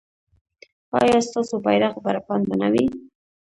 ایا ستاسو بیرغ به رپانده نه وي؟